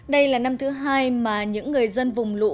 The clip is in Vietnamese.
đây là năm thứ hai mà những người dân vùng lũ